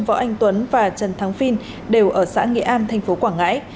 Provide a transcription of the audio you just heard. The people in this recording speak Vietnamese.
võ anh tuấn và trần thắng phi đều ở xã nghệ an thành phố quảng ngãi